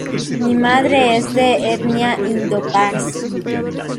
Su madre es de etnia Indo-Parsi.